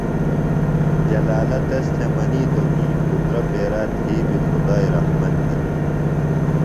جلالہ تس تھےۡ منِیتوۡ کی پُترہ پیرا دھی بیۡ خدائی رحمت ہِنیۡ۔